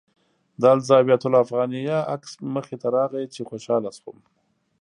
د الزاویة الافغانیه عکس مخې ته راغی چې خوشاله شوم.